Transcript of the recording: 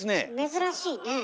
珍しいねえ。